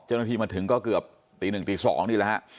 เจ้าหน้าที่มาถึงก็เกือบตี๑ตี๒นี่แหละฮะ